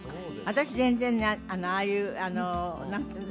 私全然ああいう